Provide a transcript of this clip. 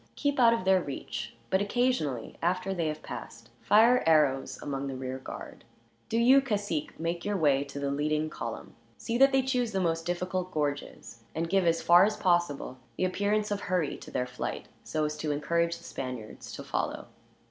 Keep out of their reach; but occasionally, after they have passed, fire arrows among the rear guard. "Do you, cacique, make your way to the leading column. See that they choose the most difficult gorges; and give, as far as possible, the appearance of hurry to their flight, so as to encourage the Spaniards to follow."